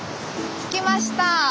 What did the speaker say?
着きました。